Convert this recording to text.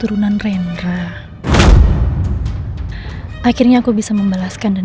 abangnya kingum ya ini cuma tes badan